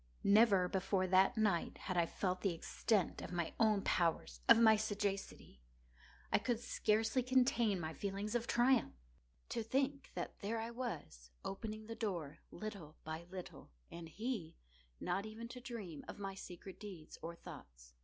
Never before that night had I felt the extent of my own powers—of my sagacity. I could scarcely contain my feelings of triumph. To think that there I was, opening the door, little by little, and he not even to dream of my secret deeds or thoughts.